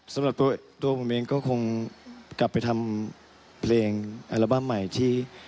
สำหรับตัวผมเองก็คงกลับไปทำเพลงอัลบั้มใหม่ที่